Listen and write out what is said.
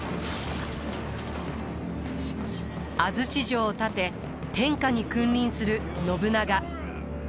安土城を建て天下に君臨する信長。